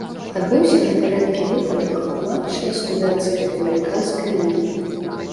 Адбыўся гэты рэдкі выпадак у матчы студэнцкай амерыканскай лігі.